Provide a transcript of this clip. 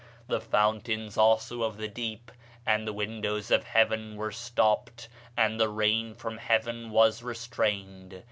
The fountains also of the deep and the windows of heaven were stopped, and the rain from heaven was restrained.